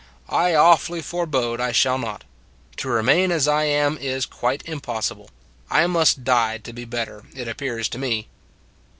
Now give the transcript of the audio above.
I awfully forbode I shall not. To remain as I am is quite impossible. I must die to be better, it appears to me."